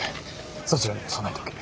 そちらにも備えておけ。